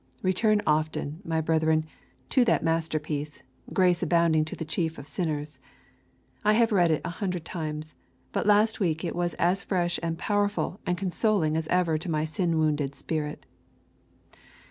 Return often, my brethren, to that masterpiece, Grace Abounding to the Chief of Sinners. I have read it a hundred times, but last week it was as fresh and powerful and consoling as ever to my sin wounded spirit.